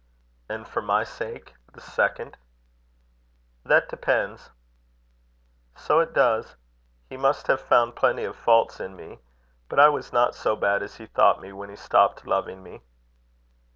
"And for my sake, the second?" "That depends." "So it does. He must have found plenty of faults in me. But I was not so bad as he thought me when he stopped loving me."